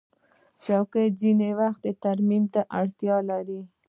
چوکۍ ځینې وخت ترمیم ته اړتیا لري.